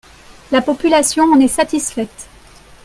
La population en est satisfaite.